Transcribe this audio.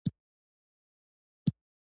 هغه له ځمکې نه پورته شو.